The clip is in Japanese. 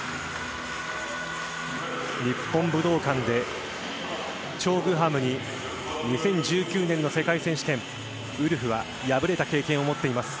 日本武道館でチョ・グハムに２０１９年の世界選手権ウルフは敗れた経験を持っています。